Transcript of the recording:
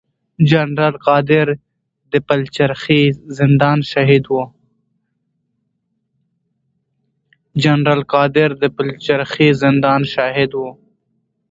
جنرال قادر د پلچرخي زندان شاهد و.